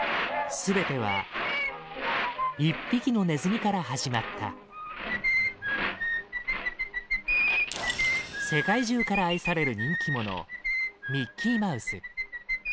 全ては１匹のネズミから始まった世界中から愛される人気者ミッキーマウス